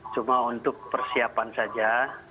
cuma untuk persiapan saja